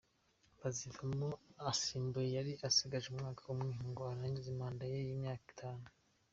Bazivamo asimbuye, yari asigaje umwaka umwe ngo arangize manda ye y’imyaka itanu.